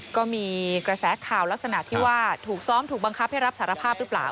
ก็มีกระแสข่าวลักษณะที่ว่าถูกซ้อมถูกบังคับให้รับสารภาพหรือเปล่า